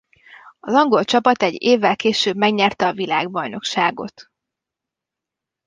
Az angol csapat egy évvel később megnyerte a világbajnokságot.